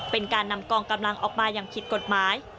เป็นการนำกองกำลังออกมาอย่างผิดกฎหมาย